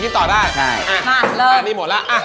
ครับนี่หมดละ